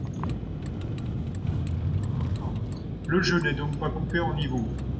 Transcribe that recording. Le jeu n'est donc pas coupé en niveaux.